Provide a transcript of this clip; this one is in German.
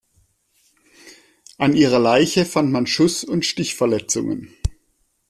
An ihrer Leiche fand man Schuss- und Stichverletzungen.